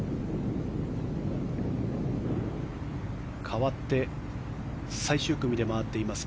かわって、最終組で回っています